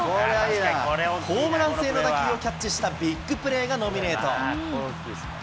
ホームラン性の打球をキャッチしたビッグプレーがノミネート。